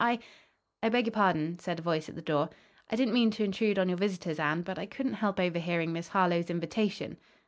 I " "I beg your pardon," said a voice at the door, "I didn't mean to intrude on your visitors, Anne, but I couldn't help overhearing Miss Harlowe's invitation."